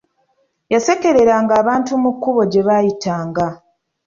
Yasekereranga abantu mu kkubo gye baayitanga.